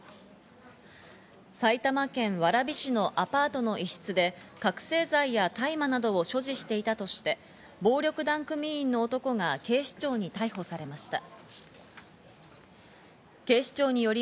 埼玉県蕨市のアパートの一室で覚醒剤や大麻などを所持していたとして、暴力団組員の男が警視庁に逮捕されました。